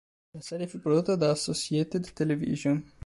La serie fu prodotta da Associated Television.